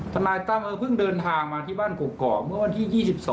ทนายตั้มเออเพิ่งเดินทางมาที่บ้านกกอกเมื่อวันที่๒๒